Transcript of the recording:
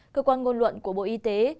cơ quan ngôn luận của bộ y tế